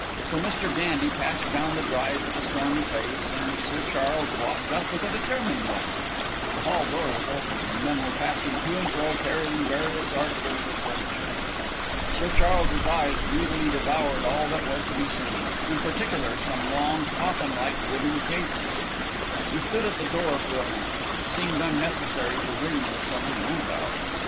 So Mr. Gandy passed down the drive with a stormy face, and Sir Charles walked up with a determined one. The hall door was open, and men were passing to and fro carrying various articles of furniture. Sir Charles's eyes greedily devoured all that was to be seen in particular some long, coffin like wooden cases. He stood at the door for a minute; it seemed unnecessary to ring with so many men about.